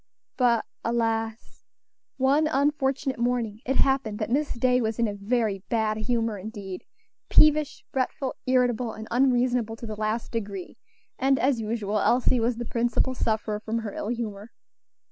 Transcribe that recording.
But, alas! one unfortunate morning it happened that Miss Day was in a very bad humor indeed peevish, fretful, irritable, and unreasonable to the last degree; and, as usual, Elsie was the principal sufferer from her ill humor.